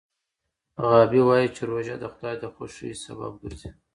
غابي وايي چې روژه د خدای د خوښۍ سبب ګرځي.